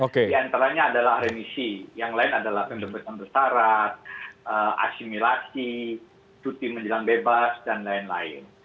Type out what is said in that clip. di antaranya adalah remisi yang lain adalah pembebasan bersarat asimilasi cuti menjelang bebas dan lain lain